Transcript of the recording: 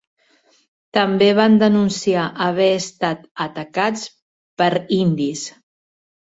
També van denunciar haver estat atacats per indis.